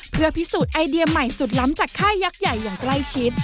เพื่อพิสูจน์ไอเดียใหม่สุดล้ำจากค่ายยักษ์ใหญ่อย่างใกล้ชิด